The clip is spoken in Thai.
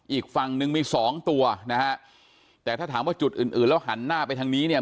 อีกฝั่งหนึ่งมีสองตัวนะฮะแต่ถ้าถามว่าจุดอื่นอื่นแล้วหันหน้าไปทางนี้เนี่ย